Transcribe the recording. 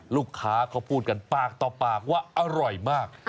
ลูกค้าเขาพูดกันปากต่อปากว่าอร่อยมาก